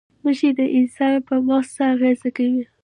نشې د انسان په مغز څه اغیزه کوي؟